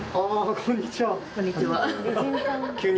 こんにちは。